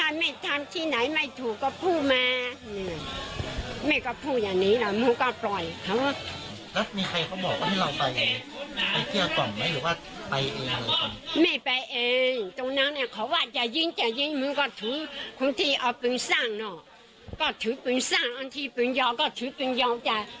ด้านนางสาวปันตะวันต่อมายุ๒๔ปีลูกสาวคนโตของผู้เสียชีวิตค่ะ